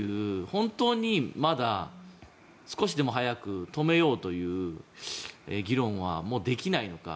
本当にまだ、少しでも早く止めようという議論はもうできないのか。